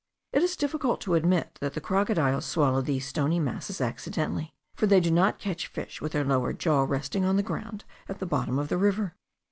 It is difficult to admit that the crocodiles swallow these stony masses accidentally, for they do not catch fish with their lower jaw resting on the ground at the bottom of the river.